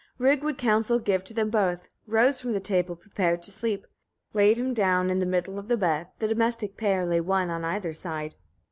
17. Rig would counsel give to them both; rose from the table, prepared to sleep; laid him down in the middle of the bed, the domestic pair lay one on either side.